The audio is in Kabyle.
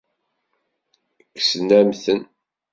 Kksen-am-ten.